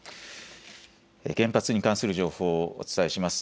原発に関する情報をお伝えします。